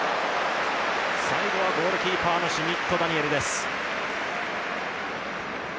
最後はゴールキーパーのシュミット・ダニエルです。